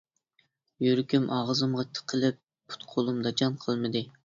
يۈرىكىم ئاغزىمغا تىقىلىپ، پۇت-قولۇمدا جان قالمىدى.